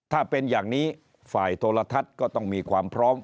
ถ้าเป็นอย่างนี้ฝ่ายโทรทัศน์ก็ต้องมีความพร้อม